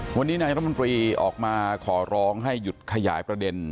วันนี้นายรัฐมนตรีออกมาขอร้องให้หยุดขยายประเด็น